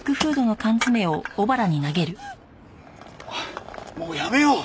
おいもうやめよう！